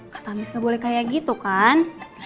kata miss gak boleh kayak gitu kan